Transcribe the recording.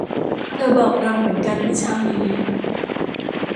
เธอบอกเราเหมือนกันเมื่อเช้านี้